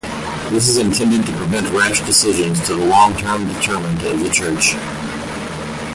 This is intended to prevent rash decisions to the long-term detriment of the Church.